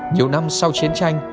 nhiều năm sau chiến tranh